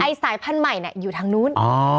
สายพันธุ์ใหม่อยู่ทางนู้น